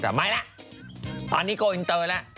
แต่ไปละตอนนี้ก้ออินเตอร์แล้ว